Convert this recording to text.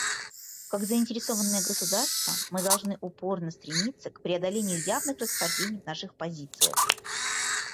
Как заинтересованные государства, мы должны упорно стремиться к преодолению явных расхождений в наших позициях.